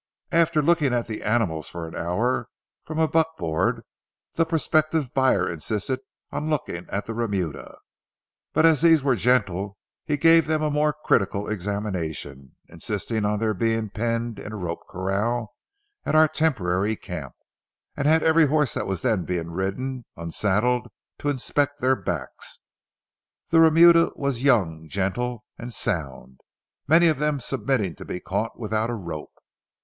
After looking at the animals for an hour, from a buckboard, the prospective buyer insisted on looking at the remuda. But as these were gentle, he gave them a more critical examination, insisting on their being penned in a rope corral at our temporary camp, and had every horse that was then being ridden unsaddled to inspect their backs. The remuda was young, gentle, and sound, many of them submitting to be caught without a rope.